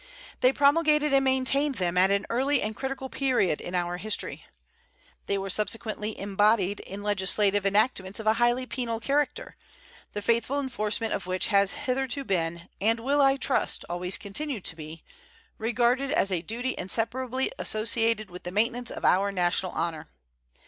They promulgated and maintained them at an early and critical period in our history; they were subsequently embodied in legislative enactments of a highly penal character, the faithful enforcement of which has hitherto been, and will, I trust, always continue to be, regarded as a duty inseparably associated with the maintenance of our national honor.